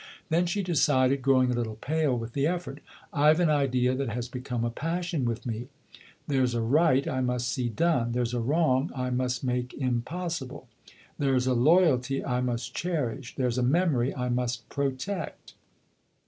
Then she decided, growing a little pale with the effort. " I've an idea that has become a passion with me. There's a right I must see done there's a wrong I must make impossible. There's a loyalty THE OTHER HOUSE: 143 I must cherish there's a memory I must protect.